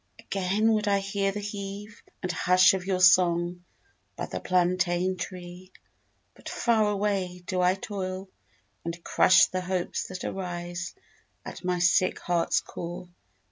Again would I hear The heave and hush Of your song by the plantain tree. But far away Do I toil and crush The hopes that arise At my sick heart's core.